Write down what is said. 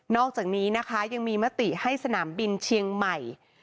อกจากนี้นะคะยังมีมติให้สนามบินเชียงใหม่